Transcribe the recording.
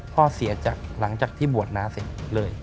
พ่อเสียจากหลังจากที่บวชน้าเสร็จเลย